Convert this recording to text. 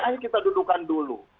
ayo kita dudukan dulu